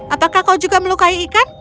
apakah kau juga melukai ikan